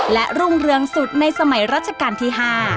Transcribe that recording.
และรุ่งเรืองสุดในสมัยรัชกาลที่๕